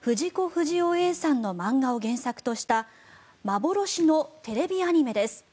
不二雄Ａさんの漫画を原作とした幻のテレビアニメです。